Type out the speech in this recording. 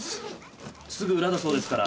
すぐ裏だそうですから。